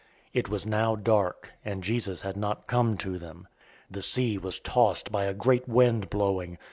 It was now dark, and Jesus had not come to them. 006:018 The sea was tossed by a great wind blowing.